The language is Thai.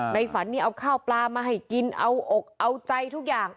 ฝันนี่เอาข้าวปลามาให้กินเอาอกเอาใจทุกอย่าง